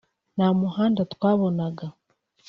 nta muhanda twabonaga